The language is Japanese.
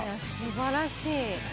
素晴らしい。